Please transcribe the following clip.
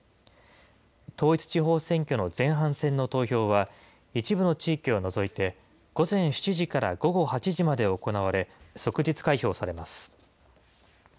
統一地方選挙の前半戦の投票は、一部の地域を除いて午前７時から午後８時まで行われ、即日開票されます。